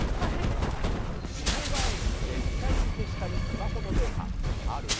死ぬ前に絶対に消したいスマホのデータある？